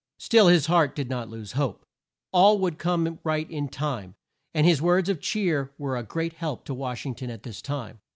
Still his heart did not lose hope. All would come right in time; and his words of cheer were a great help to Wash ing ton at this time.